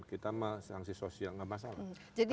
kita sama sanksi sosial enggak masalah